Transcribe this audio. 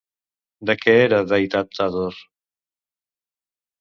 De què era deïtat Athor?